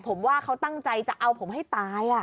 ผมว่าเขาตั้งใจจะเอาผมให้ตาย